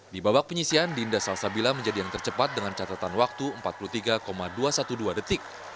di babak penyisian dinda salsabila menjadi yang tercepat dengan catatan waktu empat puluh tiga dua ratus dua belas detik